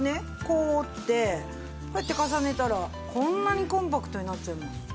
こう折ってこうやって重ねたらこんなにコンパクトになっちゃいます。